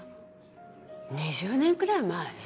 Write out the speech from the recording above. ２０年くらい前？